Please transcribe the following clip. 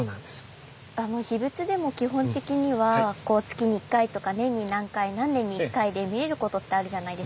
えっ⁉秘仏でも基本的には月に１回とか年に何回何年に１回で見れることってあるじゃないですか。